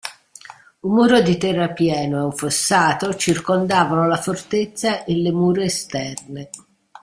Un muro di terrapieno e un fossato circondavano la fortezza e le mura esterne.